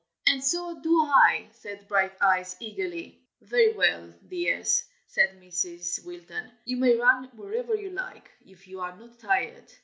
"And so do I!" said Brighteyes, eagerly. "Very well, dears," said Mrs. Wilton; "you may run wherever you like, if you are not tired.